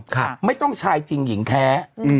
ครับไม่ต้องชายจริงหญิงแท้อืม